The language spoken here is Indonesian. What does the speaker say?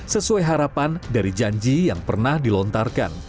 sesuai harapan dari janji yang pernah dilontarkan